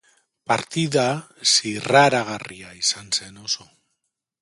Partida zirraragarria izan zen oso.